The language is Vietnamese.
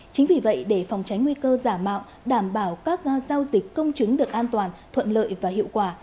chính vì vậy để phòng tránh nguy cơ giả mạo đảm bảo các giao dịch công chứng được an toàn thuận lợi và hiệu quả